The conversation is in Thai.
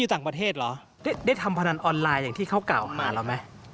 ต่างประเทศเหรอได้ทำพนันออนไลน์อย่างที่เขากล่าวออกมาแล้วไหม